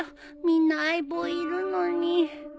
みんな相棒いるのに